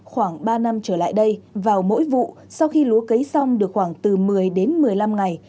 khoảng ba năm trở lại đây vào mỗi vụ sau khi lúa cấy xong được khoảng từ một mươi đến một mươi năm ngày